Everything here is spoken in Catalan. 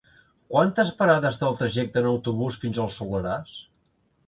Quantes parades té el trajecte en autobús fins al Soleràs?